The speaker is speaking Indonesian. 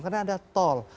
karena ada tol